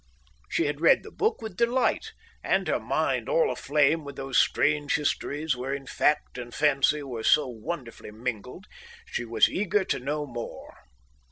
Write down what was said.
She had read the book with delight and, her mind all aflame with those strange histories wherein fact and fancy were so wonderfully mingled, she was eager to know more.